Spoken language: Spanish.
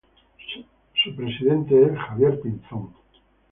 Su presidente es Javier Pinzón.